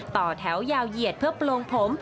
ต่อแถวยาวเหยียดเพื่อโปรงผม